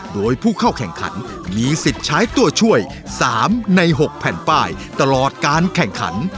โดยผู้เข้าแข่งขันมีสิทธิ์ใช้ตัวช่วย๓ใน๖แผ่นป้ายตลอดการแข่งขัน